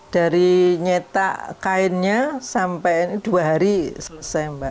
dari nyetak kainnya sampai dua hari selesai mbak